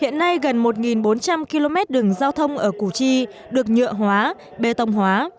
hiện nay gần một bốn trăm linh km đường giao thông ở củ chi được nhựa hóa bê tông hóa